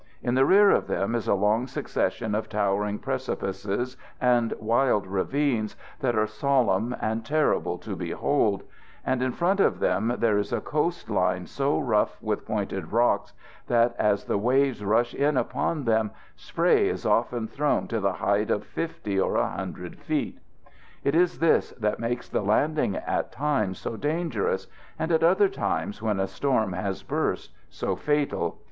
In the rear of them is a long succession of towering precipices and wild ravines, that are solemn and terrible to behold; and in front of them there is a coast line so rough with pointed rocks that as the waves rush in upon them spray is often thrown to the height of fifty or a hundred feet. It is this that makes the landing at times so dangerous; and at other times, when a storm has burst, so fatal.